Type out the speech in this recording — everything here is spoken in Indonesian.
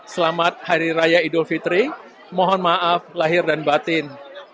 selamat hari raya idul fitri mohon maaf lahir dan batin